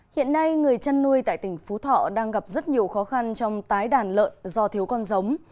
hiện nay người chăn nuôi tại tỉnh phú thọ đang gặp rất nhiều khó khăn trong tái đàn lợn do thiếu con giống